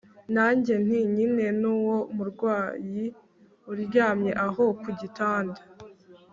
nanjye nti nyine nuwo murwayi uryamye aho kugitanda